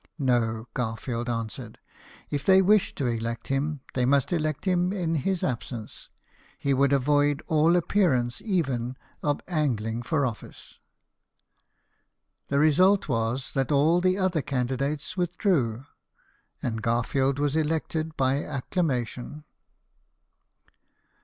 No, Garfield answered ; if they wished to elect him they must elect him in his absence ; he would avoid all appearance, even, of angling for office. The result was that all the other candidates withdrew, and Garfield was elected by accla mation.